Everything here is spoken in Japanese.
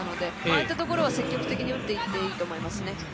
あいったところは積極的に打っていっていいと思いますね。